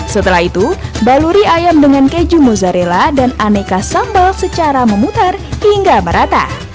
setelah itu baluri ayam dengan keju mozzarella dan aneka sambal secara memutar hingga merata